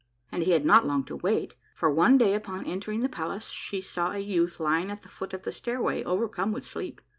And he had not long to wait, for one day upon enter ing the palace she saw a youth lying at the foot of the stair way overcome with sleep.